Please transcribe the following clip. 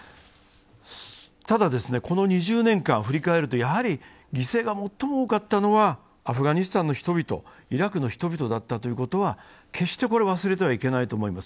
ただ、この２０年間を振り返るとやはり犠牲が最も多かったのはアフガニスタンの人々、イラクの人々だったということは決して忘れてはいけないと思います。